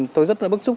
tôi rất là bức xúc